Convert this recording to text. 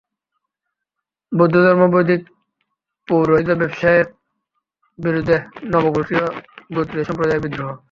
বৌদ্ধধর্ম বৈদিক পৌরোহিত্য-ব্যবসায়ের বিরুদ্ধে নব-গঠিত ক্ষত্রিয়-সম্প্রদায়ের বিদ্রোহ।